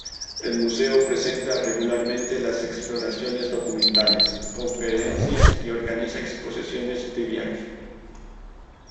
El museo presenta regularmente las exploraciones documentales, conferencias y organiza exposiciones de viaje.